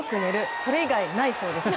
それ以外ないそうです。